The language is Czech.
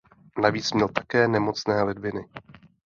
Navíc měl také nemocné ledviny.